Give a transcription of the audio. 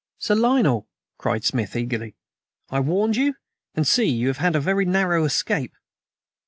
"Sir Lionel!" cried Smith eagerly. "I warned you! And see, you have had a very narrow escape."